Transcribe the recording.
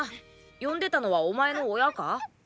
呼んでたのはお前の親か？